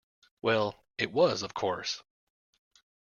Well, it was, of course.